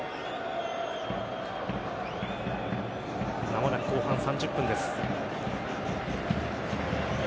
間もなく後半３０分です。